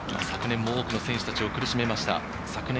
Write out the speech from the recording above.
昨年も多くの選手たちを苦しめました。